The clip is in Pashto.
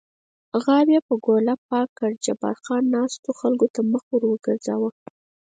غاب یې په ګوله پاک کړ، جبار خان ناستو خلکو ته مخ ور وګرځاوه.